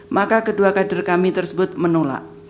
maka kedua kader kami tersebut menolak